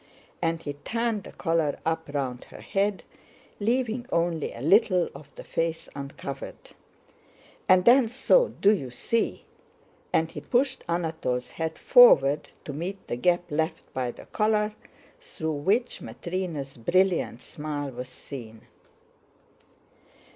and he turned the collar up round her head, leaving only a little of the face uncovered. "And then so, do you see?" and he pushed Anatole's head forward to meet the gap left by the collar, through which Matrëna's brilliant smile was seen.